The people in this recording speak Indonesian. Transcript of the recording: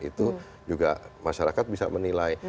itu juga masyarakat bisa menilai